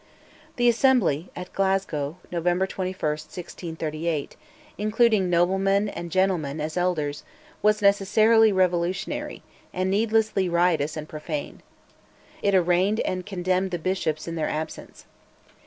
The Assembly, at Glasgow (November 21, 1638), including noblemen and gentlemen as elders, was necessarily revolutionary, and needlessly riotous and profane. It arraigned and condemned the bishops in their absence.